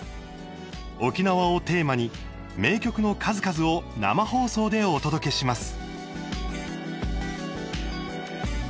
沖縄をテーマに名曲の数々を生放送でお届けします。